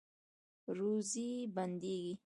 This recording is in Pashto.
روزي بندیږي؟